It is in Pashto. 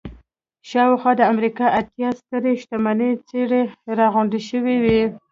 شاوخوا د امريکا اتيا سترې شتمنې څېرې را غونډې شوې وې.